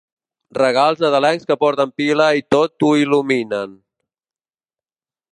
Regals nadalencs que porten pila i tot ho il·luminen.